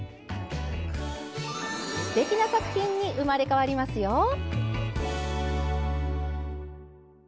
すてきな作品に生まれ変わりますよ！